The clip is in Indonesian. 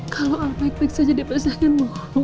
kalau al baik baik saja dia pasti akan mau